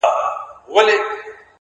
گرانه دا اوس ستا د ځوانۍ په خاطر؛